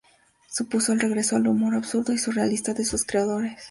Supuso el regreso del humor absurdo y surrealista de sus creadores.